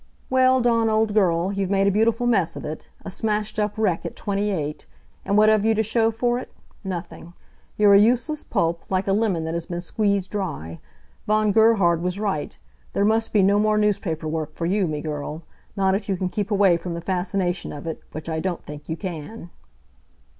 "Well, Dawn old girl, you've made a beautiful mess of it. A smashed up wreck at twenty eight! And what have you to show for it? Nothing! You're a useless pulp, like a lemon that has been squeezed dry. Von Gerhard was right. There must be no more newspaper work for you, me girl. Not if you can keep away from the fascination of it, which I don't think you can."